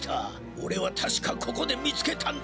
おれはたしかここで見つけたんだ。